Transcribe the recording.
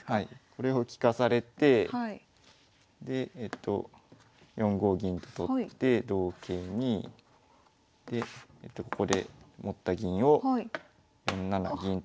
これを利かされてでえっと４五銀と取って同桂にでここで持った銀を４七銀と。